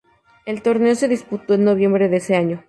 El torneo se disputó en noviembre de ese año.